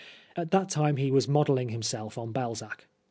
At that time he was modelling himself on Balzac.